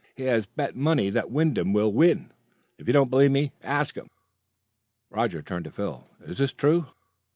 He has bet money that Wyndham will win. If you don't believe me, ask him." Roger turned to Phil. "Is this true?"